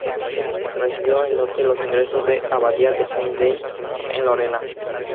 Recibió en dote los ingresos de la abadía de Saint-Denis, en Lorena.